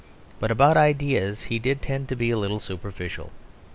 But about ideas he did tend to be a little superficial.